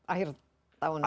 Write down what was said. akhir tahun ini